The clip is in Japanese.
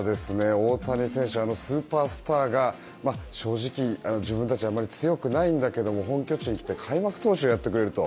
大谷選手、スーパースターが正直、自分たちはあまり強くないんだけど本拠地に来て開幕投手をやってくれると。